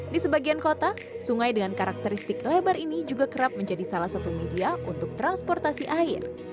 di sebagian kota sungai dengan karakteristik lebar ini juga kerap menjadi salah satu media untuk transportasi air